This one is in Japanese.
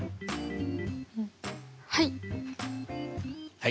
はい。